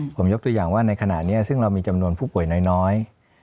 ผมยกตัวอย่างว่าในขณะนี้ซึ่งเรามีจำนวนผู้ป่วยน้อย